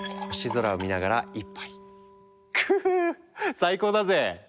最高だぜ！